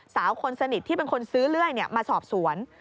สาวคนสนิทที่เป็นคนซื้อเลื่อยมาสอบสวน